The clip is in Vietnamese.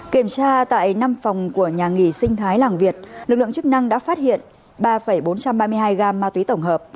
kiểm tra tại năm phòng của nhà nghỉ sinh thái làng việt lực lượng chức năng đã phát hiện ba bốn trăm ba mươi hai gam ma túy tổng hợp